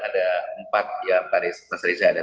ada empat ya pak reza